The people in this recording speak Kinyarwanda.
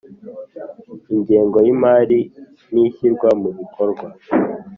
ingengo y imari n ishyirwa mu bikorwa